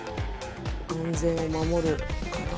安全を守るから。